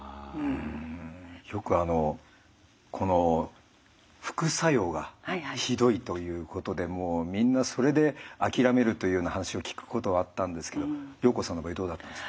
よくあのこの副作用がひどいということでみんなそれで諦めるというような話を聞くことはあったんですけど暢子さんの場合どうだったんですか？